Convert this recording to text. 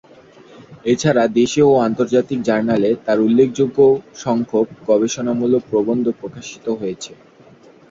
এছাড়া দেশীয় ও আন্তর্জাতিক জার্নালে তার উল্লেখযোগ্য সংখ্যক গবেষণামূলক প্রবন্ধ প্রকাশিত হয়েছে।